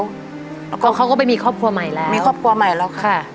แล้วก็เขาก็ไปมีครอบครัวใหม่แล้วมีครอบครัวใหม่แล้วค่ะ